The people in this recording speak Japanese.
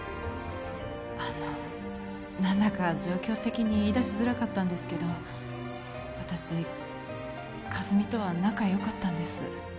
あの何だか状況的に言いだしづらかったんですけど私和美とは仲よかったんです